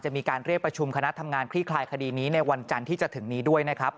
มีการเรียกประชุมคณะทำงานคลี่คลายคดีนี้ในวันจันทร์ที่จะถึงนี้ด้วยนะครับ